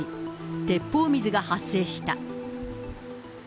鉄砲水が発生した。